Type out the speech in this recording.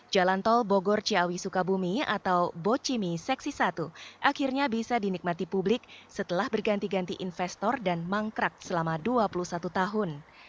jalan tol bogor ciawi sukabumi atau bocimi seksi satu akhirnya bisa dinikmati publik setelah berganti ganti investor dan mangkrak selama dua puluh satu tahun